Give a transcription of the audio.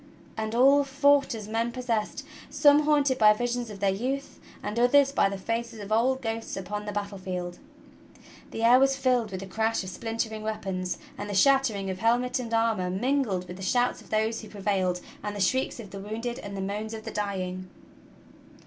And all fought as men possessed, some haunted by visions of their youth and others by the faces of old ghosts upon the battle field. The air was filled with the crash of splintering weapons and the shattering of helmet and armor mingled with the shouts of those who prevailed and the shrieks of the w'ounded and the moans of the dying.